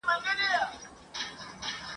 پر اروا مي بد شګون دی نازوه مي ..